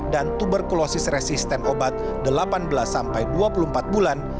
dan tuberkulosis resisten obat delapan belas dua puluh empat bulan